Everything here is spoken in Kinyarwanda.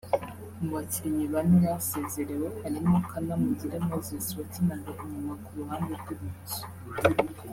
Mu bakinnyi bane basezerewe harimo Kanamugire Moses wakinaga inyuma ku ruhande rw’ibumoso